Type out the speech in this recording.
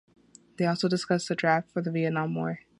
They also discuss the draft for the Vietnam War.